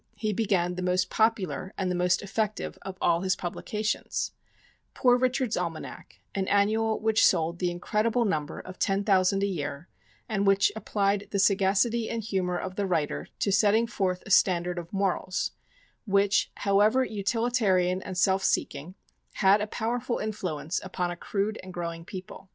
] In 1732, he began the most popular and the most effective of all his publications Poor Richard's Almanac, an annual which sold the incredible number of ten thousand a year, and which applied the sagacity and humor of the writer to setting forth a standard of morals, which, however utilitarian and self seeking, had a powerful influence upon a crude and growing people.